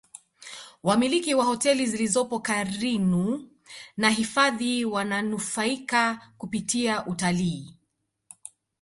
wamiliki wa hoteli zilizopo karinu na hifadhi wananufaika kupitia utalii